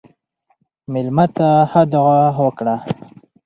مېلمه ته ښه دعا وکړه.